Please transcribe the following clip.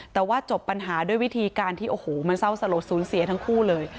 แต่ว่าจบปัญหาด้วยวิธีการที่โอ้โหมันเศร้าสลดสูญเสียทั้งคู่เลย